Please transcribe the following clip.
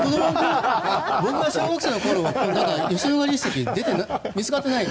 僕が小学生の頃は吉野ヶ里遺跡は見つかってない。